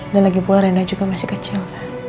dan lagi pun reina juga masih kecil